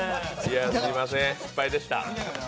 すみません、失敗でした。